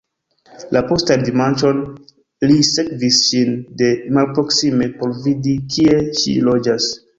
La postan dimanĉon, li sekvis ŝin de malproksime por vidi, kie ŝi loĝas.